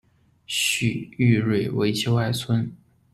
许育瑞为其外孙。